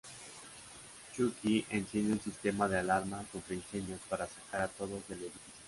Chucky enciende un sistema de alarma contra incendios para sacar a todos del edificio.